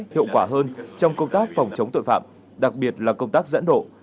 hiệu quả hơn trong công tác phòng chống tội phạm đặc biệt là công tác dẫn độ